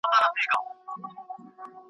جهاني کله به ږغ سي چي راځه وطن دي خپل دی .